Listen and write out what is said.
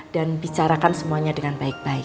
dan bicarakan semuanya dengan ren maa